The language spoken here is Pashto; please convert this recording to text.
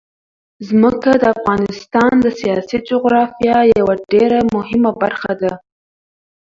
ځمکه د افغانستان د سیاسي جغرافیه یوه ډېره مهمه برخه ده.